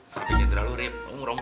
sampai nyitra lurip